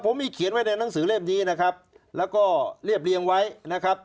ผมมีเขียนไว้ในหนังสือเล่มนี้นะครับแล้วก็เรียบเรียงไว้นะครับ